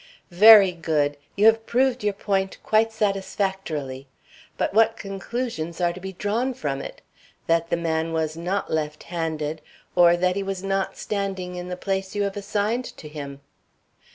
"Very good! You have proved your point quite satisfactorily; but what conclusions are to be drawn from it? That the man was not left handed, or that he was not standing in the place you have assigned to him?"